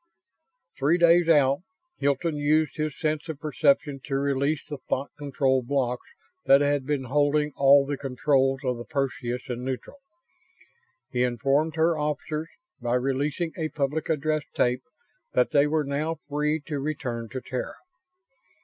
Three days out, Hilton used his sense of perception to release the thought controlled blocks that had been holding all the controls of the Perseus in neutral. He informed her officers by releasing a public address tape that they were now free to return to Terra.